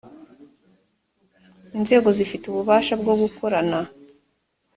inzego zifite ububasha bwogukorana.